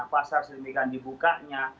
pasar sedemikian dibukanya